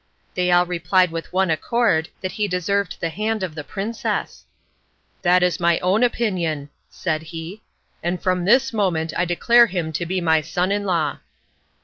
They all replied with one accord that he deserved the hand of the princess. "That is my own opinion," said he, "and from this moment I declare him to be my son in law."